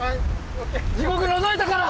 地獄のぞいたから！